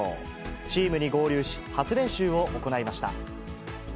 チームに合流し、初練習を行いました。